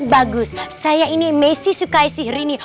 bagus saya ini messi sukaisi rini